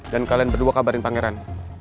dan kalian berdua kabarin pangeran